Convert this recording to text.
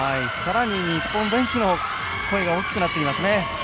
日本ベンチの声が大きくなっていますね。